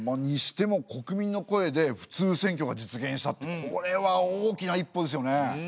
にしても国民の声で普通選挙が実現したってこれは大きな一歩ですよね。